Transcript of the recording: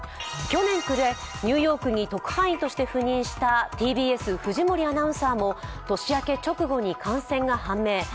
去年暮れ、ニューヨークに特派員として赴任したＴＢＳ・藤森アナウンサーも年明け直後に感染が判明。